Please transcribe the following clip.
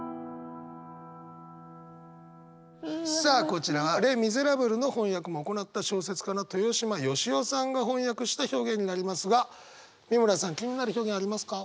こちらは「レ・ミゼラブル」の翻訳も行った小説家の豊島与志雄さんが翻訳した表現になりますが美村さん気になる表現ありますか？